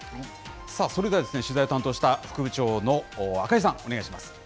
それでは取材を担当した副部長の赤井さん、お願いします。